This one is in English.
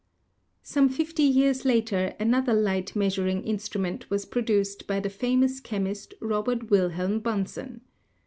Some fifty years later another light measuring instru ment was produced by the famous chemist Robert Wilhelm Bunsen.